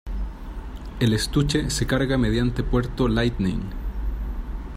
El estuche se carga mediante puerto Lightning.